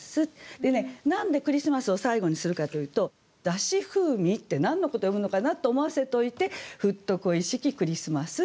でね何で「クリスマス」を最後にするかというと「だし風味」って何のこと詠むのかなと思わせておいて「ふっと恋しきクリスマス」って。